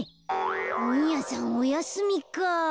ほんやさんおやすみか。